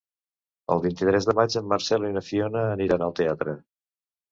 El vint-i-tres de maig en Marcel i na Fiona aniran al teatre.